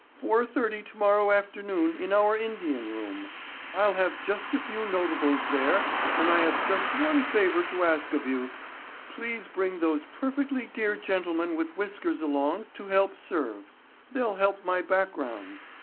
"Four thirty tomorrow afternoon in our Indian room—I'll have just a few notables there and I have just one favor to ask of you. Please bring those perfectly dear gentlemen with whiskers along to help serve. They'll help my background?